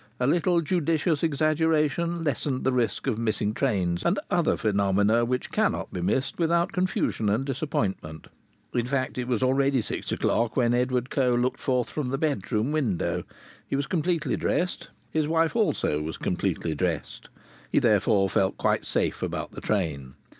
A little judicious exaggeration lessened the risk of missing trains and other phenomena which cannot be missed without confusion and disappointment. As a fact it was already six o'clock when Edward Coe looked forth from the bedroom window. He was completely dressed. His wife also was completely dressed. He therefore felt quite safe about the train.